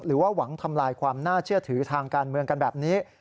หวังทำลายความน่าเชื่อถือทางการเมืองกันแบบนี้